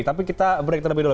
tapi kita break terlebih dahulu